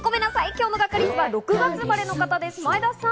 今日のガッカりすは６月生まれの方です、前田さん。